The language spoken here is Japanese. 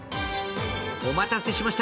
お待たせしました、